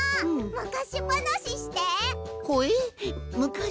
むかしばなしとな？